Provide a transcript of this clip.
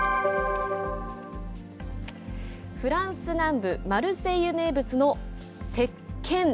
フランス南部マルセイユ名物のせっけん。